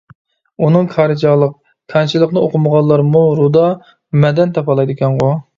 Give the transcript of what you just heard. ئۇنىڭ كارى چاغلىق، كانچىلىقنى ئوقۇمىغانلارمۇ رۇدا، مەدەن تاپالايدىكەنغۇ.